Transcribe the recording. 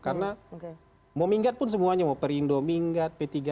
karena mau minggat pun semuanya mau perindo minggat p tiga minggat